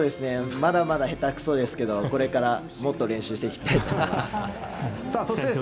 まだまだ下手くそですけどこれから練習していきたいと思います。